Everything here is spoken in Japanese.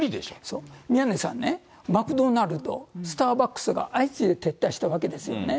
そう、宮根さんね、マクドナルド、スターバックスが相次いで撤退したわけですよね。